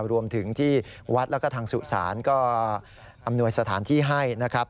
รวมถึงที่วัดแล้วก็ทางสุสานก็อำนวยสถานที่ให้นะครับ